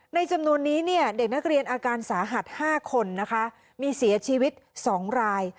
จำนวนนี้เนี่ยเด็กนักเรียนอาการสาหัส๕คนนะคะมีเสียชีวิต๒ราย